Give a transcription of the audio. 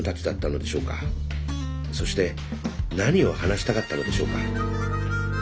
そして何を話したかったのでしょうか。